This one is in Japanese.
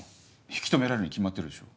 引き止められるに決まってるでしょ。